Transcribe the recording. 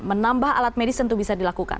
tempat medis tentu bisa dilakukan